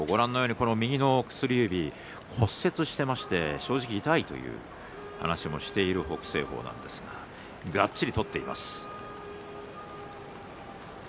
右の手の薬指を骨折していて正直痛いという話をしている北青鵬ですががっちり取っています。